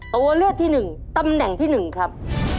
ตัวเลือดที่หนึ่งตำแหน่งที่หนึ่งครับ